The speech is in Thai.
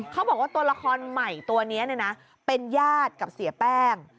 เขาบอกว่าตัวละครใหม่ตัวนี้เป็นญาติกับเสียแป้ง